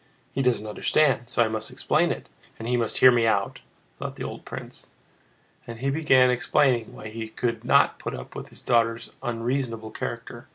He doesn't understand, so I must explain it, and he must hear me out," thought the old prince. And he began explaining why he could not put up with his daughter's unreasonable character.